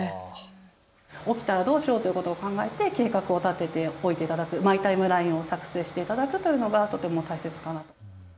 起きたらどうしようということを考えて計画を立てておいていただく、マイタイムラインを作成していただくというのがとても大切かなと。